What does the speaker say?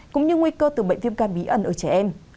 cũng như nguy cơ từ bệnh viêm gan bí ẩn ở trẻ em